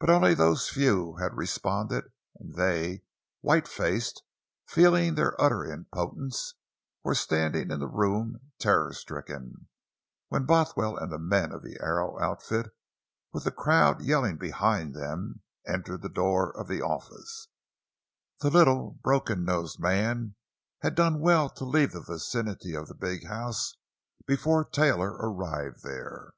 But only these few had responded, and they, white faced, feeling their utter impotence, were standing in the room, terror stricken, when Bothwell and the men of the Arrow outfit, with the crowd yelling behind them, entered the door of the office. The little, broken nosed man had done well to leave the vicinity of the big house before Taylor arrived there.